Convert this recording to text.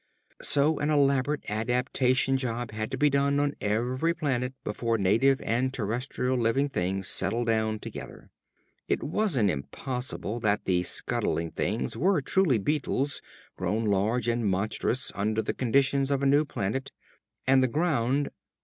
So an elaborate adaptation job had to be done on every planet before native and terrestrial living things settled down together. It wasn't impossible that the scuttling things were truly beetles, grown large and monstrous under the conditions of a new planet. And the ground....